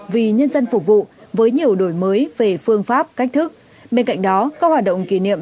vì nhân dân phục vụ với nhiều đổi mới về phương pháp cách thức bên cạnh đó các hoạt động kỷ niệm